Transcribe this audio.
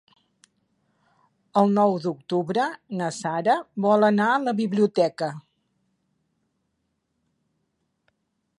El nou d'octubre na Sara vol anar a la biblioteca.